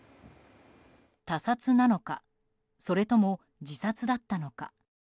他殺なのかそれとも自殺だったのか。